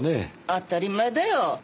当たり前だよ。